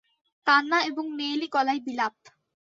কান্না এবং মেয়েলি গলায় বিলাপ।